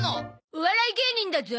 お笑い芸人だゾ。